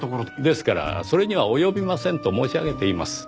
ですからそれには及びませんと申し上げています。